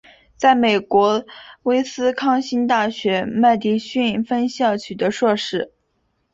在美国威斯康辛大学麦迪逊分校取得硕士。